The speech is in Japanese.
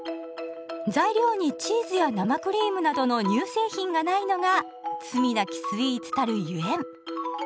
材料にチーズや生クリームなどの乳製品がないのが「罪なきスイーツ」たるゆえん。